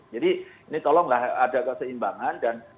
jadi ini tolonglah ada keseimbangan dan